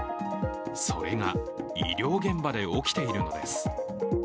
それが医療現場で起きているのです。